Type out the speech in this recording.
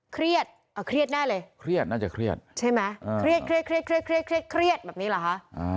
เครียดเอาเครียดแน่เลยค่ะใช่มะเครียดแบบนี้หรอคะ